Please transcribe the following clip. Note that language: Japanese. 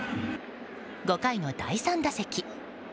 ５回の第３打席。